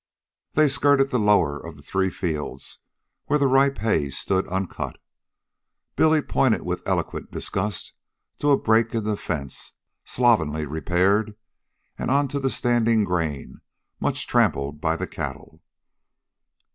They skirted the lower of the three fields where the ripe hay stood uncut. Billy pointed with eloquent disgust to a break in the fence, slovenly repaired, and on to the standing grain much trampled by cattle.